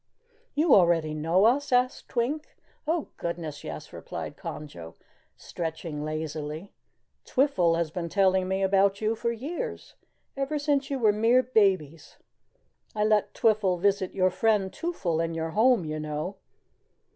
"You already know us?" asked Twink. "Oh, goodness yes," replied Conjo, stretching lazily. "Twiffle has been telling me about you for years ever since you were mere babies. I let Twiffle visit your friend Twoffle in your home, you know.